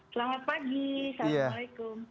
selamat pagi assalamualaikum